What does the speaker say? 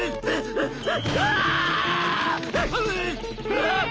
あっ！